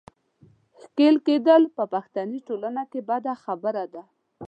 ښېل کېدل په پښتني ټولنه کې بده خبره ده.